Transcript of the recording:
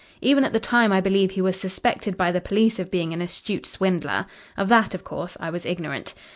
Even at the time I believe he was suspected by the police of being an astute swindler. Of that, of course, I was ignorant.